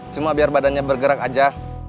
cuma biar badannya bergerak aja